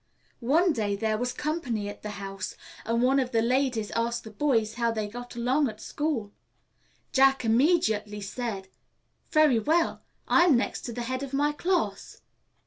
"One day there was company at the house, and one of the ladies asked the boys how they got along at school. Jack immediately said, 'Very well. I'm next to the head of my class.'